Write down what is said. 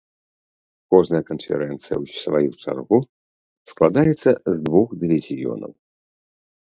Кожная канферэнцыя ў сваю чаргу складаецца з двух дывізіёнаў.